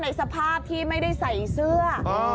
ในสภาพที่ไม่ได้ใส่เสื้อ